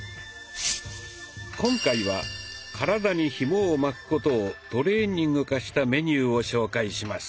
今回は体にひもを巻くことをトレーニング化したメニューを紹介します。